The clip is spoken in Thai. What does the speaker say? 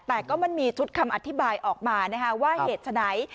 แต่ก็มันมีชุดคำอธิบายออกมาว่าเหตุฉะนั้น